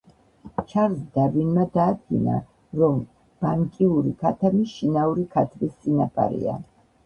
ჩარლზ დარვინმა დაადგინა, რომ ბანკივური ქათამი შინაური ქათმის წინაპარია.